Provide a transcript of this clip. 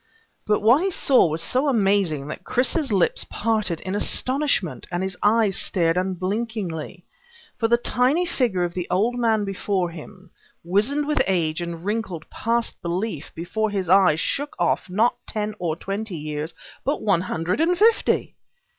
But what he saw was so amazing that Chris's lips parted in astonishment and his eyes stared unblinkingly. For the tiny figure of the old man before him, wizened with age and wrinkled past belief, before his eyes shook off not ten or twenty years, but one hundred and fifty!